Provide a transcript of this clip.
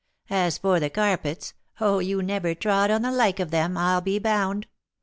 As for the carpets, oh, you never trod on the like of them, I'll be bound.